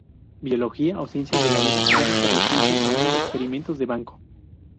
Biología o ciencias de la vida ya no se restringen a húmedo-experimentos de banco.